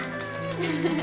フフフ。